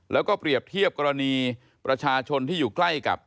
แล้วก็เปรียบเทียบกรณีประชาชนที่อยู่ใกล้กับ